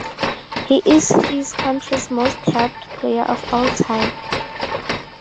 He is his country's most capped player of all time.